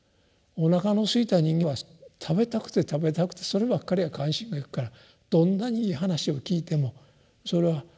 おなかのすいた人間は食べたくて食べたくてそればっかりが関心がいくからどんなにいい話を聞いてもそれは分からないんですよね。